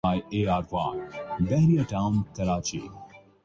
ملک میں سونے کی قیمت میں کمی کا سلسلہ جاری